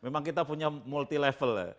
memang kita punya multi level ya